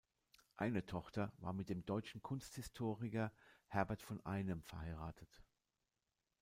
Eine Tochter war mit dem deutschen Kunsthistoriker Herbert von Einem verheiratet.